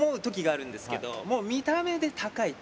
もう見た目で高いと。